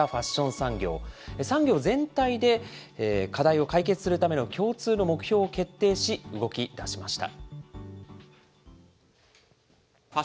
産業全体で課題を解決するための共通の目標を決定し、動きだしました。